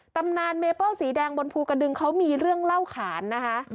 ตำนานเมเปิ้ลสีแดงบนภูกระดึงเขามีเรื่องเล่าขานนะคะ